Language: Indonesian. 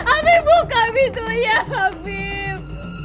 amin buka pintunya amin